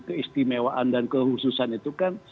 keistimewaan dan kehususan itu kan